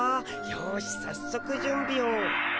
よしさっそくじゅんびを。